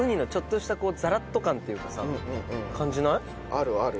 あるある。